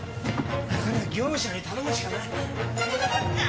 こりゃ業者に頼むしかないな。